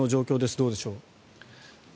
どうでしょう。